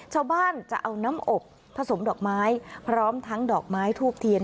ชาวบ้านจะเอาน้ำอบผสมดอกไม้พร้อมทั้งดอกไม้ทูบเทียน